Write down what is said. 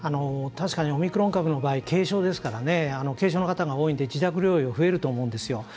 確かにオミクロン株の場合軽症ですから軽症の方が多いので自宅療養、増えると思うんですよ。